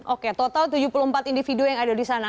oke total tujuh puluh empat individu yang ada di sana